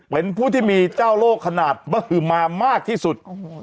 เป็นผู้ที่มีเจ้าโลกขนาดเบอร์มามากที่สุด